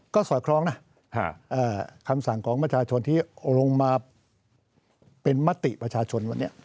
ก็สอดคล้องนะคำสั่งของประชาชนที่ลงมาเป็นมติประชาชนวันนี้